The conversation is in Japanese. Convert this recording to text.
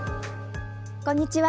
こんにちは。